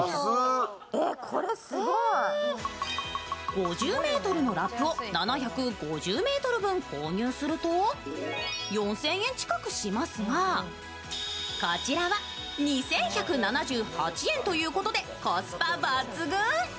５０ｍのラップを７５０ｍ分購入すると４０００円近くしますがこちらは２１７８円ということでコスパ抜群。